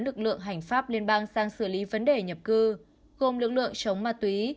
lực lượng hành pháp liên bang sang xử lý vấn đề nhập cư gồm lực lượng chống ma túy